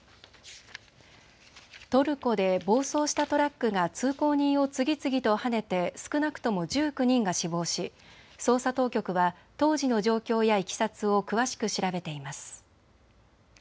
トルコで暴走したトラックが通行人を次々とはねて少なくとも１９人が死亡し、捜査当局は当時の状況やいきさつを詳しく調べています。